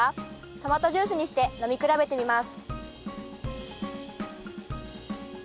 トマトジュースにして飲み比べてみます。